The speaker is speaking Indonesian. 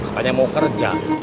katanya mau kerja